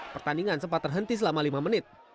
pertandingan sempat terhenti selama lima menit